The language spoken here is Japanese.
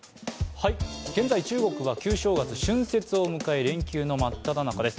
現在、中国は旧正月＝春節を迎え連休の真っただ中です。